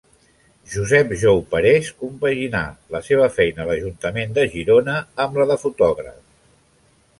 Josep Jou Parés compaginà la seva feina a l’Ajuntament de Girona amb la de fotògraf.